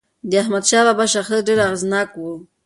د احمدشاه بابا شخصیت ډېر اغېزناک و.